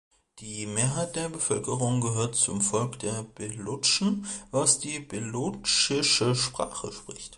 Die Mehrheit der Bevölkerung gehört zum Volk der Belutschen, das die belutschische Sprache spricht.